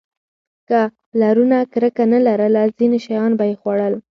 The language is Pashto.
که پلرونه کرکه نه لرله، ځینې شیان به یې خوړل.